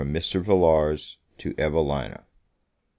MR. VILLARS TO EVELINA.